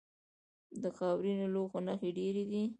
د خاورینو لوښو نښې ډیرې دي